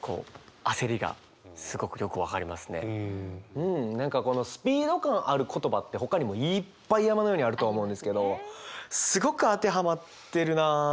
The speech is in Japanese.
うん何かこのスピード感ある言葉ってほかにもいっぱい山のようにあるとは思うんですけどすごく当てはまってるなって。